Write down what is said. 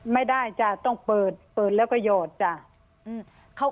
ไม่ได้จ้ะต้องเปิดเปิดแล้วก็หยอดจ้ะ